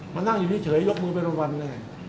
มานั่งอยู่นี่เฉยยกมือไประวัง